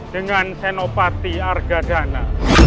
dengan senopati argadana